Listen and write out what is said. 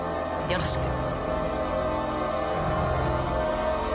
よろしく。